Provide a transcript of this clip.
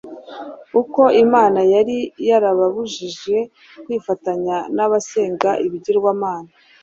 Uko Imana yari yarababujije kwifatanya n’abasenga ibigirwamana